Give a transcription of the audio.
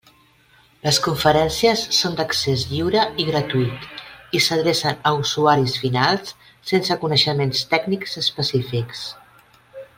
Les conferències són d'accés lliure i gratuït, i s'adrecen a usuaris finals sense coneixements tècnics específics.